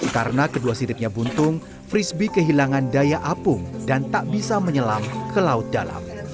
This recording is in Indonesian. karena kedua siripnya buntung frisbee kehilangan daya apung dan tak bisa menyelam ke laut dalam